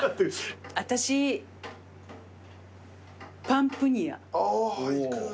パンプニア。